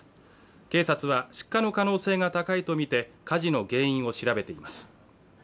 警察は失火の可能性が高いとみて火事の原因を調べています